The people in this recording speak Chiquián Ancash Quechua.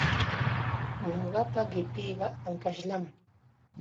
Ñuqapa qipiiqa ankashllam.